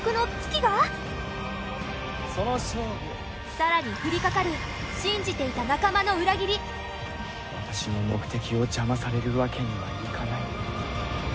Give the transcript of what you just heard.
更に降りかかる信じていた仲間の裏切り私の目的を邪魔されるわけにはいかない。